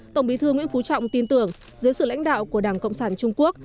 tổng bí thư nguyễn phú trọng tin tưởng dưới sự lãnh đạo của đảng cộng sản trung quốc